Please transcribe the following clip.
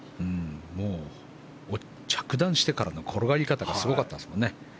もう着弾してからの転がり方がすごかったですもんね。